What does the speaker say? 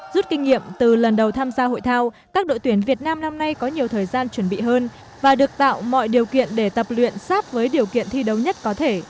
rút kinh nghiệm từ lần đầu tham gia hội thao các đội tuyển việt nam năm nay có nhiều thời gian chuẩn bị hơn và được tạo mọi điều kiện để tập luyện sáp với điều kiện thi đấu nhất có thể